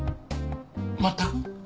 まったく？